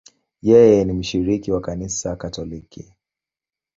Yeye ni mshiriki wa Kanisa Katoliki.